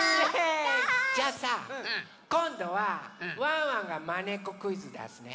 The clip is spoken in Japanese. じゃあさこんどはワンワンがまねっこクイズだすね。